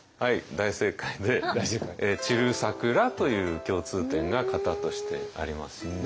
大正解で「散る桜」という共通点が型としてありますよね。